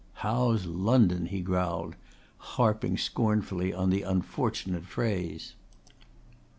"How's London!" he growled, harping scornfully on the unfortunate phrase.